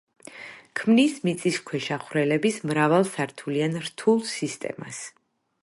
ქმნის მიწისქვეშა ხვრელების მრავალსართულიან რთულ სისტემას.